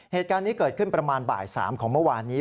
เหตุการณ์นี้เกิดขึ้นประมาณบ่าย๓ของเมื่อวานนี้